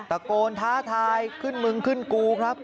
ตะโกนท้าทายขึ้นมึงขึ้นกูครับ